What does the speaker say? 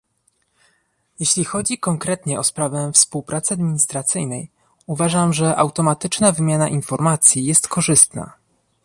Jeśli chodzi konkretnie o sprawę współpracy administracyjnej, uważam, że automatyczna wymiana informacji jest korzystna